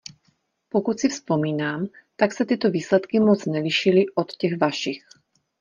Pokud si vzpomínám, tak se tyto výsledky moc nelišily od těch vašich.